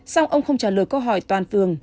sau ông không trả lời câu hỏi toàn phường